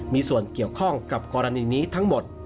มีส่วนเกี่ยวข้องกับกรณีนี้ทั้งหมด